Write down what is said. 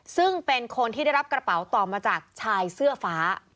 ซึ่งเป็นคนที่ได้รับกระเป๋าต่อมาจากชายเสื้อฟ้า